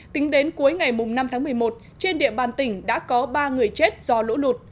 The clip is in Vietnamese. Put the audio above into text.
tính đến cuối ngày năm tháng một mươi một trên địa bàn tỉnh đã có ba người chết do lũ lụt